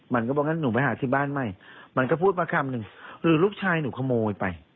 มันก็บอกงั้นหนูไปหาที่บ้านใหม่มันก็พูดมาคำหนึ่งหรือลูกชายหนูขโมยไป